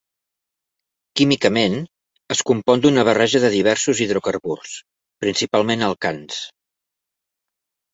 Químicament, es compon d'una barreja de diversos hidrocarburs, principalment alcans.